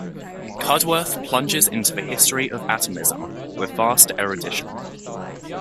Cudworth plunges into the history of atomism with vast erudition.